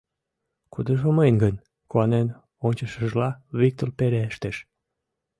— Кудыжо мыйын гын? — куанен ончышыжла, Виктор пелештыш.